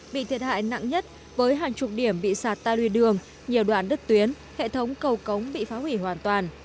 bị thiệt hại nặng nhất với hàng chục điểm bị sạt ta luyên đường nhiều đoàn đất tuyến hệ thống cầu cống bị phá hủy hoàn toàn